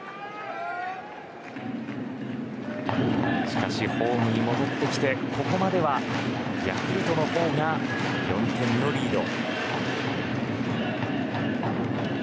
しかしホームに戻ってきてここまではヤクルトの方が４点のリード。